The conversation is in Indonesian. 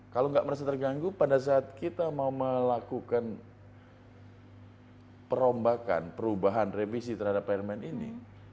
kalau nggak merasa terganggu pada saat kita mau melakukan perombakan perubahan revisi terhadap permen ini